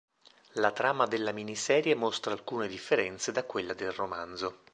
La trama della miniserie mostra alcune differenze da quella del romanzo.